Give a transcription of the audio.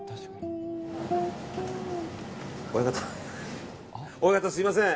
親方、親方すみません。